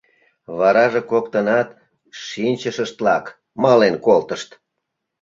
Вараже коктынат шинчышыштлак мален колтышт.